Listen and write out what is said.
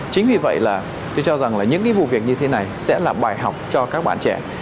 chính vì vậy là tôi cho rằng là những cái vụ việc như thế này sẽ là bài học cho các bạn trẻ